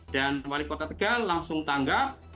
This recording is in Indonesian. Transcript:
dan wali kota tegal langsung tanggap